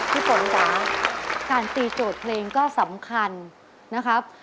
พี่ฝนจ๋าการตีโจทย์เพลงก็สำคัญนะครับ